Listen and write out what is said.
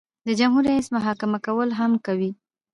د جمهور رئیس محاکمه کول هم کوي.